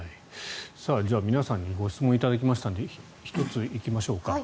皆さんにご質問を頂きましたので１つ、行きましょうか。